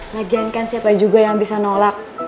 lagian kan siapa juga yang bisa nolak